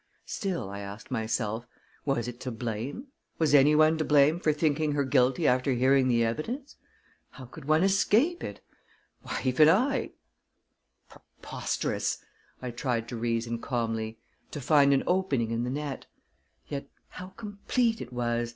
Still, I asked myself, was it to blame? Was anyone to blame for thinking her guilty after hearing the evidence? How could one escape it? Why, even I Preposterous! I tried to reason calmly; to find an opening in the net. Yet, how complete it was!